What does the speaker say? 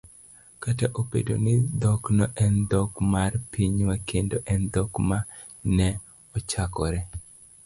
kata obedo ni dhokno en dhok mar pinywa kendo en dhok ma ne ochakore